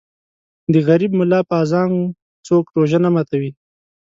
د غریب ملا په اذان څوک روژه نه ماتوي.